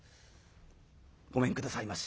「ごめんくださいまし。